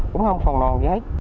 cũng không phòng lo giấy